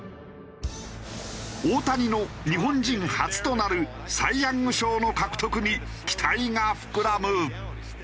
大谷の日本人初となるサイ・ヤング賞の獲得に期待が膨らむ。